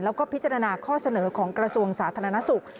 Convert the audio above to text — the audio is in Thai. แล้วก็พิจารณาข้อเสนอของกระทรวงสาธารณสุข